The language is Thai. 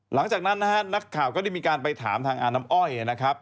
หลังจากนั้นนะฮะนักข่าวก็ได้มีการไปถามทางอาน้ำอ้อยนะครับ